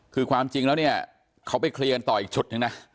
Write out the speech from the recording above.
คือความจริงแล้วเนี่ยเขาไปเคลียร์กันต่ออีกชุดหนึ่งนะ